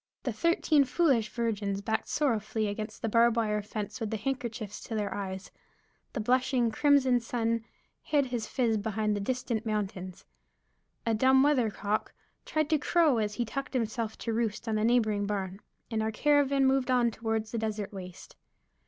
The thirteen foolish virgins backed sorrowfully against the barbed wire fence with handkerchiefs to their eyes; the blushing, crimson sun hid his phiz behind the distant mountains; a dumb weathercock tried to crow as he tucked himself to roost on a neighboring barn; and our caravan moved on toward the desert waste.